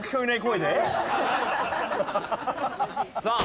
さあ